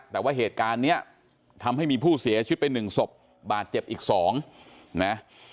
แต่ว่าเหตุการณ์เนี้ยทำให้มีผู้เสียชิดไปหนึ่งศพบาดเจ็บอีกสองนะฮะ